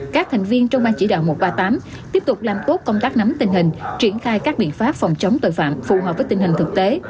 các thành viên trong ban chỉ đạo một trăm ba mươi tám tiếp tục làm tốt công tác nắm tình hình triển khai các biện pháp phòng chống tội phạm phù hợp với tình hình thực tế